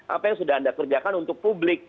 apa yang sudah anda kerjakan untuk publik